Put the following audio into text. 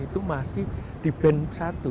itu masih di ban satu